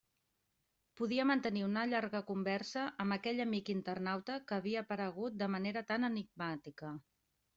Podia mantenir una llarga «conversa» amb aquell amic internauta que havia aparegut de manera tan enigmàtica.